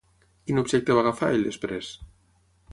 Quin objecte va agafar ell després?